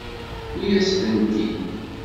Tewwi-yas-tent-id.